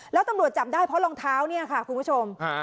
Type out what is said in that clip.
แล้วตำรวจจับได้เพราะรองเท้าเนี่ยค่ะคุณผู้ชม